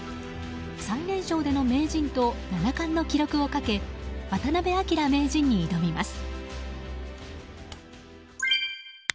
最年少での名人と七冠の記録をかけ渡辺明名人に挑みます。